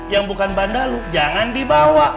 yang bukan bandalu jangan dibawa